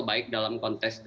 baik dalam konteks kesehatan